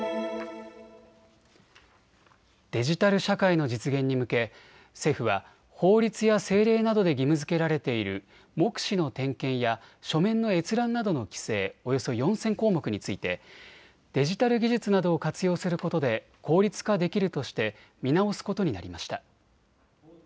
デジタル社会の実現に向け政府は法律や政令などで義務づけられている目視の点検や書面の閲覧などの規制、およそ４０００項目についてデジタル技術などを活用することで効率化できるとして見直すことになりました。